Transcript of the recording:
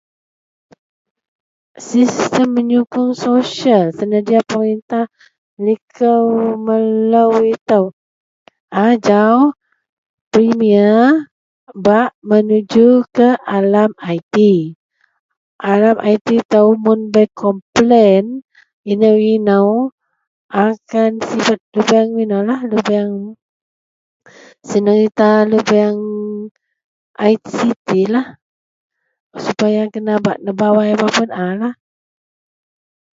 Sistem menyokong sosial senedia peritah liko melo ito ajau premier bak menuju kealam IT, alam IT ito mun bei komplen ino-ino akan sibet lubeang inolah lubeang senerita lubeang ITC lah supaya kena nebawai mapuon a lah.